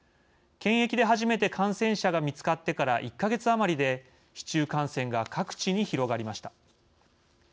検疫で初めて感染者が見つかってから１か月余りで市中感染が各地に広がりました。